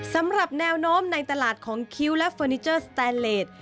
สำหรับแนวโน้มในตลาดของคิ้วและเฟอร์นิเจอร์สแตนเลส